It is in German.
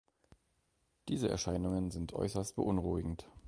Diese Erscheinungen sind äußerst beunruhigend.